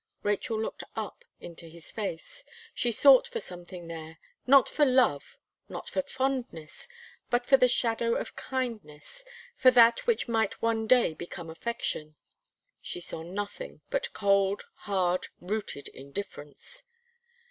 Rachel looked up into his face; she sought for something there, not for love, not for fondness, but for the shadow of kindness, for that which might one day become affection she saw nothing but cold, hard, rooted indifference.